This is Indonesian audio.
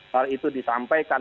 hal itu disampaikan